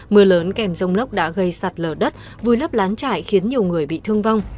mưa lớn kèm rông lốc đã gây sạt lở đất vùi lấp lán trải khiến nhiều người bị thương vong